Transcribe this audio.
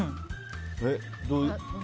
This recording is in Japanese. どういう？